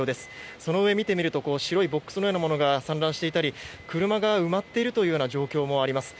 そのうえ、白いボックスのようなものが散乱していたり車が埋まっている状況もあります。